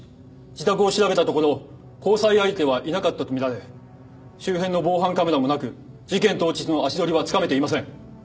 自宅を調べたところ交際相手はいなかったと見られ周辺の防犯カメラもなく事件当日の足取りはつかめていません。